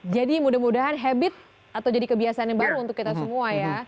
jadi mudah mudahan habit atau jadi kebiasaan yang baru untuk kita semua ya